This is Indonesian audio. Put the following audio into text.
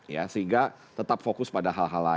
ya sehingga tetap fokus pada hal hal lain